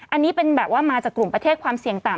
อันนี้เป็นแบบว่ามาจากกลุ่มประเทศความเสี่ยงต่ำ